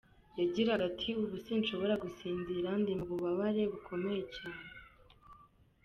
Yagiraga ati: “Ubu sinshobora gusinzira , ndi mu bubabare bukomeye cyane.